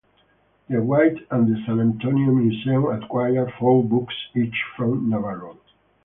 The Witte and the San Antonio museum acquired four books each from Navarro.